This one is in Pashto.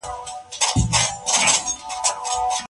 غوښتنه د عامه تعلیم د پیاوړي کولو لپاره ډېر مهمه ده.